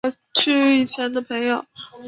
我们要去找以前的朋友